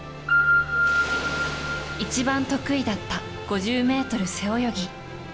一番得意だった５０ｍ背泳ぎ。